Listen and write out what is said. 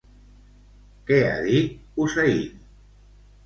Què ha dit Hussein?